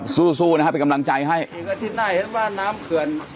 สู้สู้นะฮะเป็นกำลังใจให้อีกอาทิตย์หน้าเห็นว่าน้ำเขื่อน